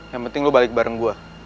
yang penting lu balik bareng gue